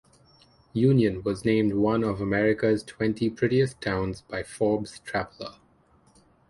Union was named one of America's twenty prettiest towns by Forbes Traveler.